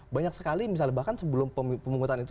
banyak sekali misalnya bahkan sebelum pemungutan itu